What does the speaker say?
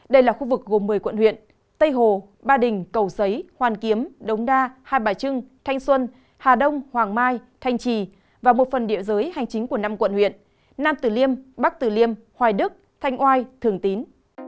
đây là khu vực gồm một mươi quận huyện tây hồ ba đình cầu giấy hoàn kiếm đống đa hai bài trưng thanh xuân hà đông hoàng mai thanh trì và một phần địa giới hành chính của năm quận huyện nam tử liêm bắc tử liêm hoài đức thanh oai thường tín